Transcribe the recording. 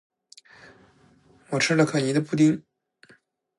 我吃了可妮的布丁